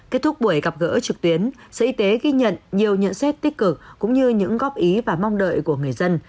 kết thúc buổi gặp gỡ trực tuyến sở y tế ghi nhận nhiều nhận xét tích cực cũng như những góp ý và mong đợi của người dân